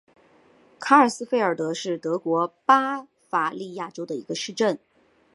卡尔斯费尔德是德国巴伐利亚州的一个市镇。